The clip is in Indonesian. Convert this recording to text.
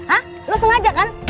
hah lo sengaja kan